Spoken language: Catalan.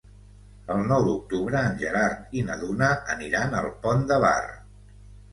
El nou d'octubre en Gerard i na Duna aniran al Pont de Bar.